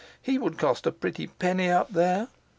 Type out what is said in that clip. He would cost a pretty penny up there.